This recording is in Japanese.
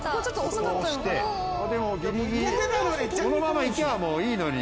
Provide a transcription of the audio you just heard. そのままいけばもういいのに。